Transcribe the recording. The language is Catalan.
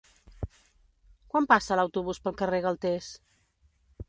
Quan passa l'autobús pel carrer Galtés?